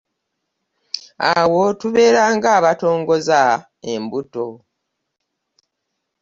Awo tubeera nga abatongoza embuto.